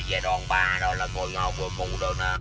về đoạn ba đó là ngồi ngồi vừa cũ rồi đó